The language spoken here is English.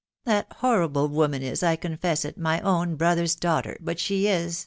. That horrible woman is, I confess it. my own brother's daughter, but she is